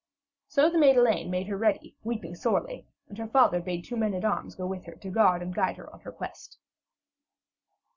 So the maid Elaine made her ready, weeping sorely, and her father bade two men at arms go with her to guard and guide her on her quest.